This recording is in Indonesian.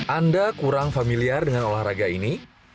anda kurang familiar dengan olahraga ini